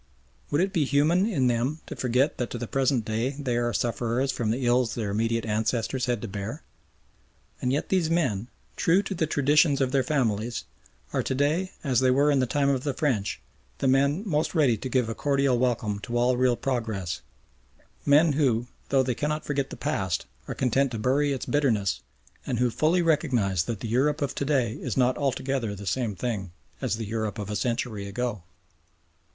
Would it be human in them to forget that to the present day they are sufferers from the ills their immediate ancestors had to bear? And yet these men, true to the traditions of their families, are to day as they were in the time of the French, the men most ready to give a cordial welcome to all real progress men who, though they cannot forget the past, are content to bury its bitterness and who fully recognise that the Europe of to day is not altogether the same thing as the Europe of a century ago.